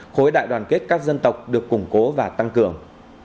khối đại đoàn kết các dân tộc được củng cố và tăng cường